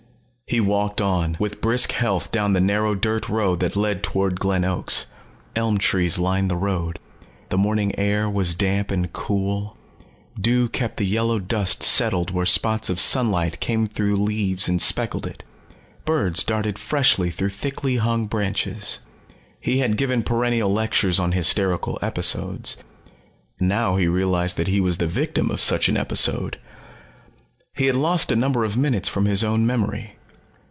He walked on with brisk health down the narrow dirt road that led toward Glen Oaks. Elm trees lined the road. The morning air was damp and cool. Dew kept the yellow dust settled where spots of sunlight came through leaves and speckled it. Birds darted freshly through thickly hung branches. He had given perennial lectures on hysterical episodes. Now he realized that he was the victim of such an episode. He had lost a number of minutes from his own memory.